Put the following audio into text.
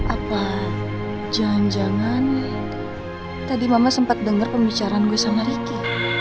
apa jangan jangan tadi mama sempat dengar pembicaraan gue sama ricky